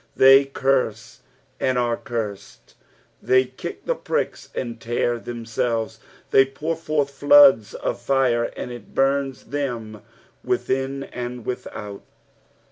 They curse and are cursed ; they kick tlio pricks and tear themselves ; they pour forth floods of fire, and it bums them within nnd without.